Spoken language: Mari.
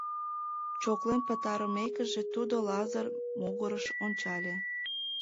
Чоклен пытарымекыже, тудо Лазыр могырыш ончале.